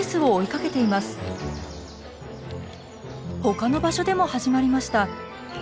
ほかの場所でも始まりました。